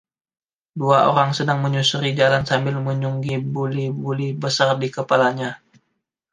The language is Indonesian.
Dua orang sedang menyusuri jalan sambil menyunggi buli-buli besar di kepalanya.